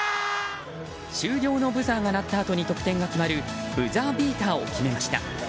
終了のブザーが鳴ったあとに得点が決まるブザービーターを決めました。